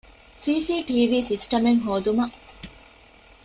ސީސީޓީވީ ސިސްޓަމެއް ހޯދުމަށް